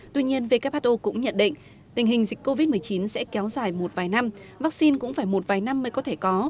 tuy nhiên who cũng nhận định tình hình dịch covid một mươi chín sẽ kéo dài một vài năm vaccine cũng phải một vài năm mới có thể có